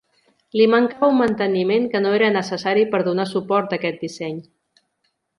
Li mancava un manteniment, que no era necessari per donar suport a aquest disseny.